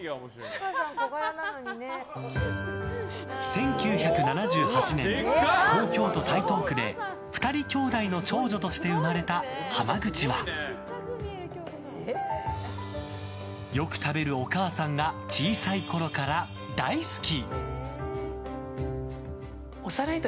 １９７８年、東京都台東区で２人姉弟の長女として生まれた浜口はよく食べるお母さんが小さいころから大好き！